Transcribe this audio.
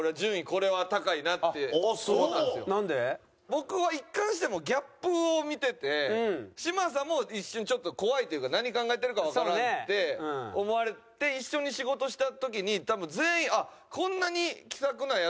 僕は一貫してギャップを見てて嶋佐も一瞬ちょっと怖いっていうか何考えてるかわからないって思われて一緒に仕事した時に多分全員「あっこんなに気さくなヤツなんや」